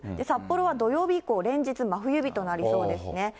札幌は土曜日以降、連日、真冬日となりそうですね。